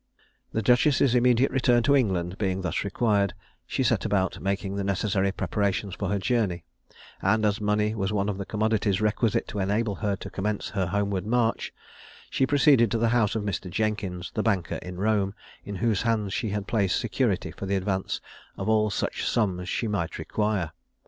The duchess's immediate return to England being thus required, she set about making the necessary preparations for her journey; and as money was one of the commodities requisite to enable her to commence her homeward march, she proceeded to the house of Mr. Jenkins, the banker in Rome, in whose hands she had placed security for the advance of all such sums as she might require.